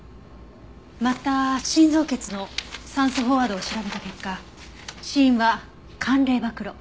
また心臓血の酸素飽和度を調べた結果死因は寒冷暴露。